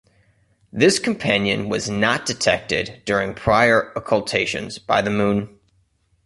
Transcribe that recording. This companion was not detected during prior occultations by the Moon.